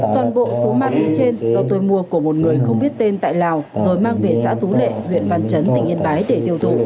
toàn bộ số ma túy trên do tôi mua của một người không biết tên tại lào rồi mang về xã tú lệ huyện văn chấn tỉnh yên bái để tiêu thụ